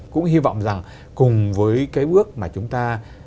cũng hy vọng rằng cùng với cái bước mà chúng ta